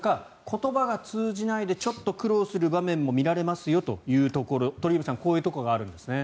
言葉が通じなくてちょっと苦労する場面も見られますというところ鳥海さん、こういうところがあるんですね。